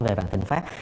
về bàn tình pháp